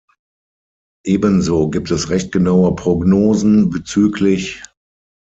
Ebenso gibt es recht genaue Prognosen bzgl.